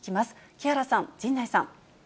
木原さん、陣内さん。